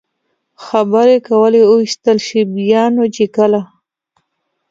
خبرې کولې، ووېشتل شي، بیا نو چې کله.